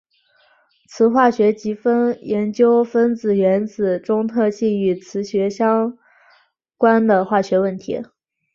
磁化学即研究分子原子中特性与磁学相关的化学问题。